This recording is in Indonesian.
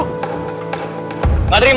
gak terima lu